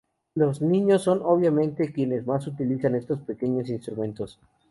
Los niños son obviamente quienes más utilizan estos pequeños instrumentos.